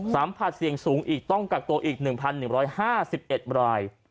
สัมผัสเสี่ยงสูงอีกต้องกักตัวอีก๑๑๕๑ราย